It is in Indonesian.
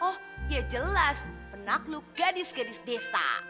oh ya jelas penakluk gadis gadis desa